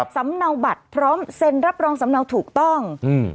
สำเนาบัตรพร้อมเซ็นรับรองสำเนาถูกต้องอืม